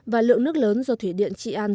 và lượng nước lớn do thủy điện trị an